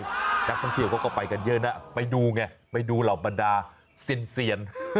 ได้อย่างไรท่องเที่ยวเขาก็ไปกันเยอะน่ะไปดูง่ะไปดูเหล่ามนาสินเสีย